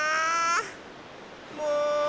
もう。